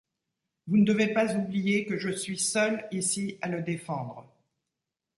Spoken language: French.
Vous ne devez pas oublier que je suis seule ici à le défendre!